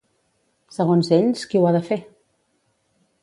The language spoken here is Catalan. Segons ells, qui ho ha de fer?